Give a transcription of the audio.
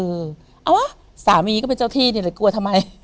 เอาวะสามีก็เป็นเจ้าที่นี่แหละกลัวทำไม